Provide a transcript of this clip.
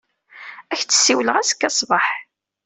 Ad k-d-siwleɣ azekka ṣṣbeḥ.